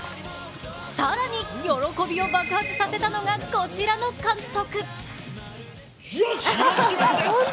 更に喜びを爆発させたのが、こちらの監督。